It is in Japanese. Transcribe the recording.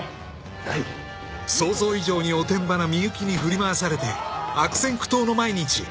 ［想像以上におてんばな美雪に振り回されて悪戦苦闘の毎日］